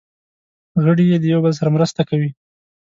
غړي یې د یو بل سره مرسته کوي.